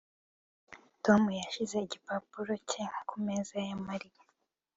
Tom yashyize igikapu cye ku meza ya Mariya